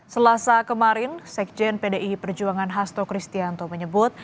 selasa kemarin sekjen pdi perjuangan hasto kristianto menyebut